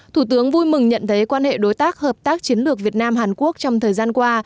thủ tướng vui mừng nhận thấy quan hệ đối tác hợp tác chiến lược việt nam hàn quốc trong thời gian qua